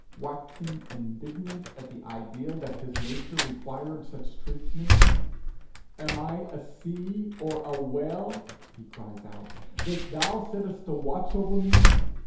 Waxing indignant at the idea that his nature required such treatment 'Am I a sea or a whale,' he cries out, 'that thou settest a watch over me?'